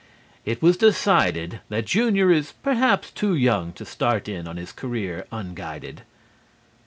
It was decided that Junior is perhaps too young to start in on his career unguided.